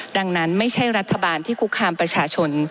ดังนั้นไม่ใช่รัฐบาลที่คุกคามประชาชน